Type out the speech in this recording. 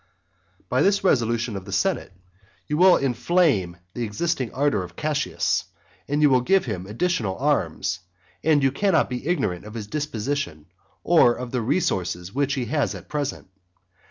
XIII. By this resolution of the senate you will inflame the existing ardour of Cassius, and you will give him additional arms; for you cannot be ignorant of his disposition, or of the resources which he has at present.